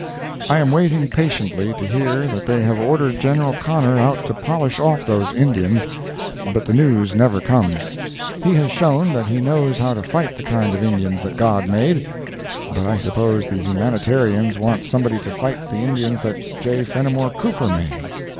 I am waiting patiently to hear that they have ordered General Connor out to polish off those Indians, but the news never comes. He has shown that he knows how to fight the kind of Indians that God made, but I suppose the humanitarians want somebody to fight the Indians that J. Fenimore Cooper made.